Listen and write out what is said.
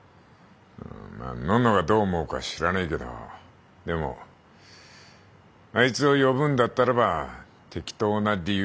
まあのんのがどう思うか知らねえけどでもあいつを呼ぶんだったらば適当な理由をつけろよ。